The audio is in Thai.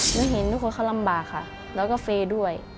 หนูเห็นทุกคนเขาลำบากค่ะแล้วก็เฟย์ด้วย